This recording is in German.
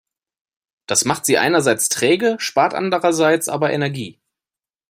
Das macht sie einerseits träge, spart andererseits aber Energie.